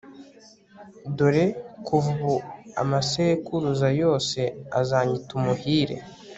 dore kuva ubu amasekuruza yose azanyita umuhire